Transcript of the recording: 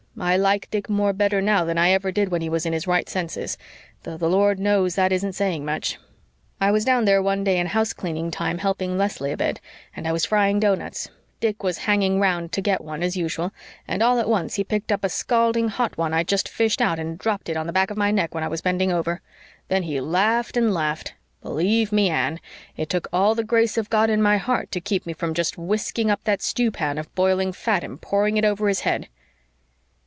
I like Dick Moore better now than I ever did when he was in his right senses though the Lord knows that isn't saying much. I was down there one day in housecleaning time helping Leslie a bit, and I was frying doughnuts. Dick was hanging round to get one, as usual, and all at once he picked up a scalding hot one I'd just fished out and dropped it on the back of my neck when I was bending over. Then he laughed and laughed. Believe ME, Anne, it took all the grace of God in my heart to keep me from just whisking up that stew pan of boiling fat and pouring it over his head."